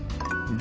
で